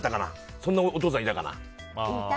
そんなお父さん、いたかな。